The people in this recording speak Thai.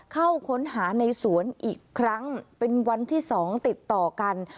เข้าค้นหาในสวนอีกครั้งเป็นวันที่๒ติดต่อกัน